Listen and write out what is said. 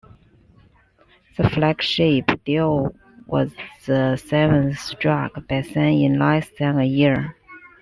The Flagship deal was the seventh struck by Sun in less than a year.